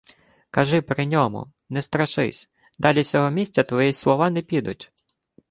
— Кажи при ньому, не страшись. Далі сього місця твої слова не підуть.